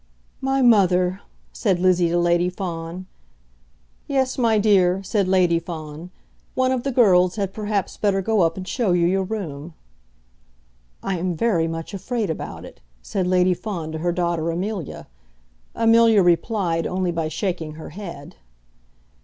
"My mother!" said Lizzie to Lady Fawn. "Yes, my dear," said Lady Fawn. "One of the girls had perhaps better go up and show you your room." "I am very much afraid about it," said Lady Fawn to her daughter Amelia. Amelia replied only by shaking her head.